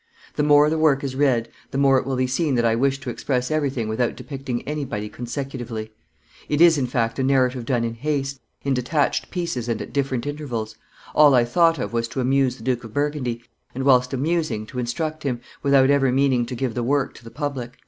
The more the work is read, the more it will be seen that I wished to express everything without depicting anybody consecutively; it is, in fact, a narrative done in haste, in detached pieces and at different intervals; all I thought of was to amuse the Duke of Burgundy, and, whilst amusing, to instruct him, without ever meaning to give the work to the public."